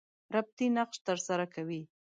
ربطي نقش تر سره کوي.